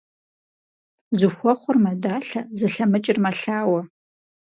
Зыхуэхъур мэдалъэ, зылъэмыкӀыр мэлъаӀуэ.